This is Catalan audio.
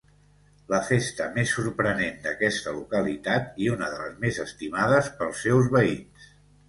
La festa més sorprenent d'aquesta localitat i una de les més estimades pels seus veïns.